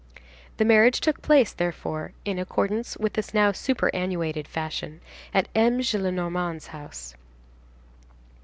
The marriage took place, therefore, in accordance with this now superannuated fashion, at M. Gillenormand's house.